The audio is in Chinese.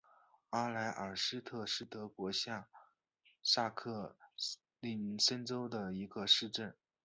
阿莱尔斯特是德国下萨克森州的一个市镇。